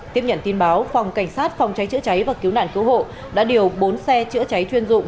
tiếp nhận tin báo phòng cảnh sát phòng cháy chữa cháy và cứu nạn cứu hộ đã điều bốn xe chữa cháy chuyên dụng